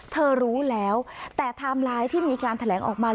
รู้แล้วแต่ไทม์ไลน์ที่มีการแถลงออกมา